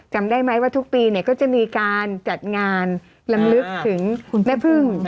จำได้ไหมว่าทุกปีก็จะมีการจัดงานลำลึกถึงแม่พึ่ง